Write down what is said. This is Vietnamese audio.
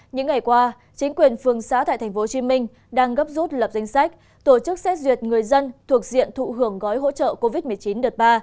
những ngày qua chính quyền phường xá tại tp hcm đang gấp rút lập danh sách tổ chức xét duyệt người dân thuộc diện thụ hưởng gói hỗ trợ covid một mươi chín đợt ba